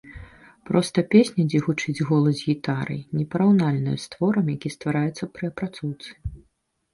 Проста песня, дзе гучыць голас з гітарай, непараўнальная з творам, які ствараецца пры апрацоўцы.